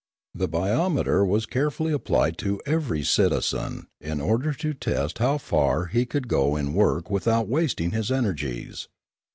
The biometer was carefully applied to every citizen in order to test how far he could go in work without wasting his energies.